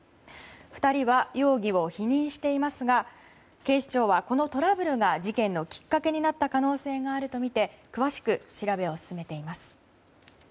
２人は容疑を否認していますが警視庁は、このトラブルが事件のきっかけになった可能性があるとみて詳しく調べを進めています。